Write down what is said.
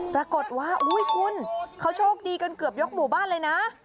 ปรากฏว่าอุ้ยคุณเขาโชคดีกันเกือบยกหมู่บ้านเลยนะ